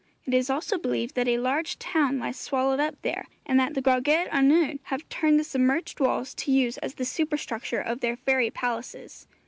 It is also believed that a large town lies swallowed up there, and that the Gwragedd Annwn have turned the submerged walls to use as the superstructure of their fairy palaces.